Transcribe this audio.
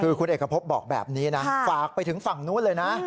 คือคุณเอกพบบอกแบบนี้นะฝากไปถึงฝั่งนู้นเลยนะ